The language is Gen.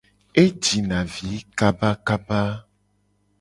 E jina vi kabakaba.